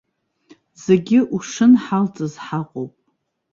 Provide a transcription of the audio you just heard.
Зегьы ушынҳалҵыз ҳаҟоуп.